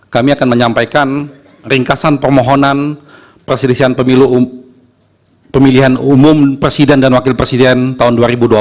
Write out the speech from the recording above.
kami akan menyampaikan ringkasan permohonan perselisihan pemilihan umum presiden dan wakil presiden tahun dua ribu dua puluh empat